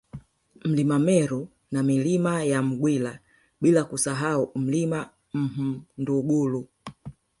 Mlima Meru na Milima ya Mgwila bila kusahau Mlima Mhundugulu